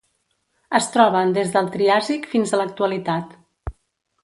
Es troben des del Triàsic fins a l'actualitat.